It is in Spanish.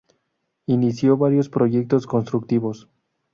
Inició varios proyectos constructivos.